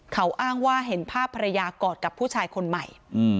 เขาอ้างว่าเห็นภาพภรรยากอดกับผู้ชายคนใหม่